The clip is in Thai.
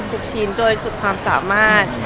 ปลุกชินโดยความสามารถ